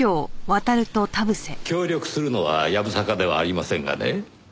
協力するのはやぶさかではありませんがね。